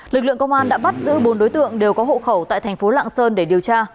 lực lượng công an đã bắt giữ bốn đối tượng đều có hộ khẩu tại thành phố lạng sơn để điều tra